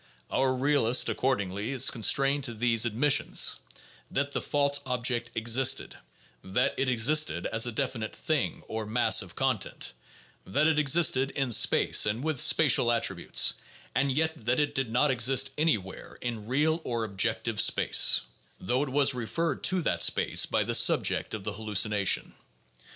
Our realist accordingly is constrained to these admissions: that the fake object existed; that it existed as a definite "thing" or mass of content; that it existed in space and with spatial attributes; and yet that it did not exist anywhere in "real" or "objective" space, though it was referred to that space by the sub ject of the hallucination.